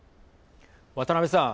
渡辺さん